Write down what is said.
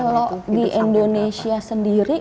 kalau di indonesia sendiri